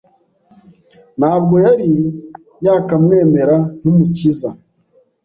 ntabwo yari yakamwemera nk'Umukiza;